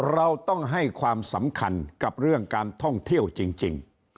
เราต้องให้ความสำคัญกับเรื่องการท่องเที่ยวจริง